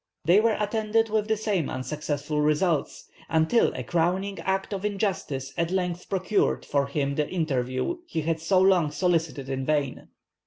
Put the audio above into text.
They were attended with the same unsuccessful results, until a crowning act of injustice at length procured for him the interview he had so long solicited in vain.